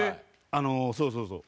あのそうそうそう。